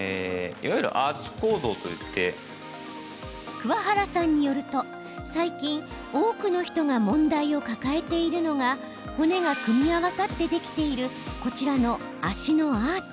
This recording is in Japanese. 桑原さんによると、最近多くの人が問題を抱えているのが骨が組み合わさってできているこちらの足のアーチ。